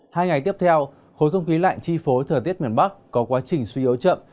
hai ngày tiếp theo khối không khí lạnh chi phối thời tiết miền bắc có quá trình suy yếu chậm